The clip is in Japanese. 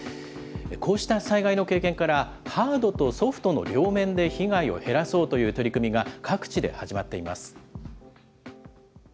こうした災害の経験から、ハードとソフトの両面で被害を減らそうという取り組みが各地で始まっています。